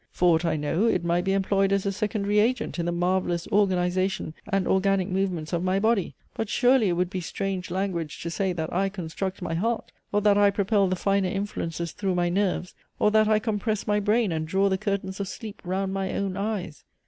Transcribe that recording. For aught I know, it might be employed as a secondary agent in the marvellous organization and organic movements of my body. But, surely, it would be strange language to say, that I construct my heart! or that I propel the finer influences through my nerves! or that I compress my brain, and draw the curtains of sleep round my own eyes!